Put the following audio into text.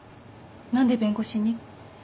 何で弁護士に？